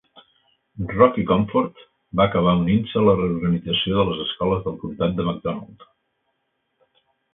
Rocky Comfort va acabar unint-se a la reorganització de les escoles del comtat de McDonald.